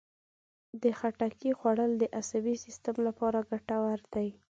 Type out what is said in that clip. د خټکي خوړل د عصبي سیستم لپاره ګټور دي.